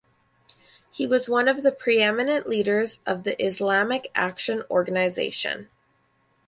He was one of the preeminent leaders of the Islamic Action Organisation.